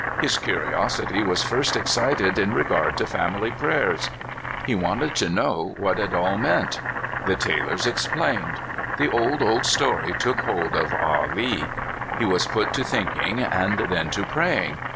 His curiosity was first excited in regard to family prayers. He wanted to know 7 what it all meant. The Taylors explained. The old, old story took hold of Ah Lee. He was put to thinking and then to praying.